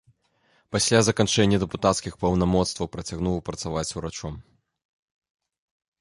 Пасля заканчэння дэпутацкіх паўнамоцтваў працягнуў працаваць урачом.